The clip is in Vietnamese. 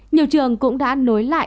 nhiều trường cũng đã nối lại